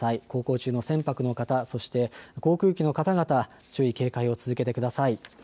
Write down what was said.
航行中の船舶の方、そして、航空機の方々は注意警戒を続けてください。